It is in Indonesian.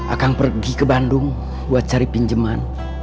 akang pergi ke bandung buat cari pinjeman